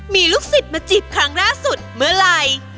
มีลูกศิษย์มาจีบครั้งล่าสุดเมื่อไหร่